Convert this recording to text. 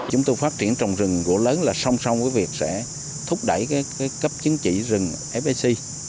chúng tôi phát triển trồng rừng gỗ lớn là song song với việc sẽ thúc đẩy cấp chứng chỉ rừng fsc